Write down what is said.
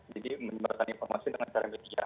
jadi menyimpan informasi dengan cara media